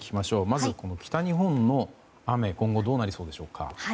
まず北日本の雨今後どうなりそうでしょうか。